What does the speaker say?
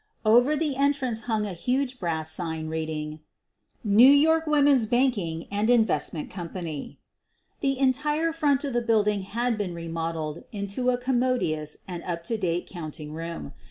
Over the entrance hung a huge brass sign reading, "New York Women's Banking and Investment Company." The entire front of the building had been remodeled into a commodious and up to date counting room.